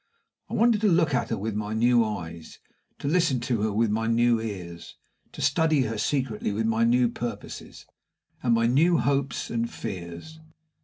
I wanted to look at her with my new eyes, to listen to her with my new ears, to study her secretly with my new purposes, and my new hopes and fears.